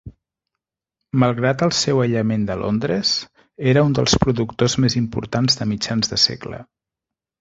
Malgrat el seu aïllament de Londres, era un dels productors més importants de mitjans de segle.